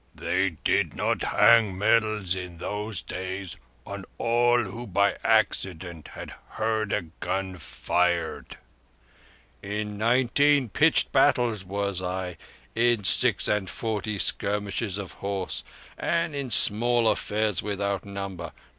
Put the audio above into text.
"They did not hang medals in those days on all who by accident had heard a gun fired. No! In nineteen pitched battles was I; in six and forty skirmishes of horse; and in small affairs without number.